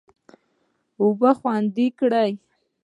اوبه خوندي کړه.